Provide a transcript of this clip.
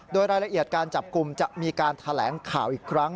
โดยรายละเอียดการจับกลุ่มจะมีการแถลงข่าวอีกครั้ง